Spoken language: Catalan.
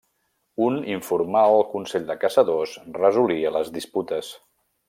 Un informal Consell de Caçadors resolia les disputes.